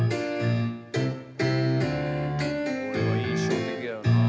これは印象的だよなあ